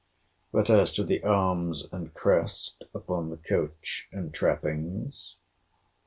But as to the arms and crest upon the coach and trappings?